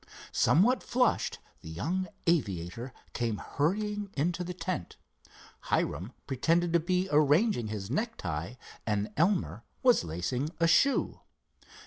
Somewhat flushed, the young aviator came hurrying into the tent. Hiram pretended to be arranging his necktie and Elmer was lacing a shoe.